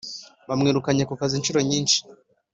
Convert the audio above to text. Bamwirukanye ku kazi inshuro nyinshi